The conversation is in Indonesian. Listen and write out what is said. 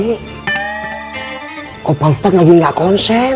pak pak ustadz lagi gak konsen